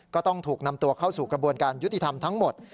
ก็ต้องถูกนำตัวเข้าสู่กระบวนการยุติธรรมทั้งหมด